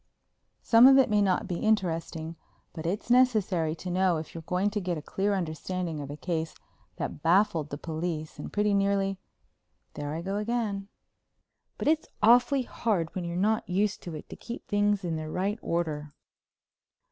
Some of it may not be interesting, but it's necessary to know if you're going to get a clear understanding of a case that baffled the police and pretty nearly.... There I go again. But it's awfully hard when you're not used to it to keep things in their right order.